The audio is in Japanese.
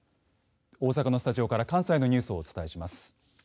大阪のスタジオから関西のニュースをお伝えします。